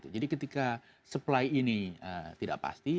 jadi ketika supply ini tidak pasti